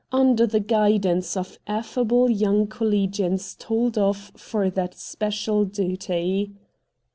]N' 178 RED DIAMONDS under the guidance of affable young collegians told off for that special duty.